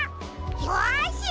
よし！